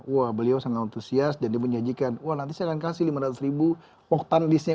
wah beliau sangat antusias dan dia menyajikan wah nanti saya akan kasih lima ratus ribu potan listnya